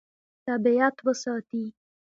طبیعت وساتي.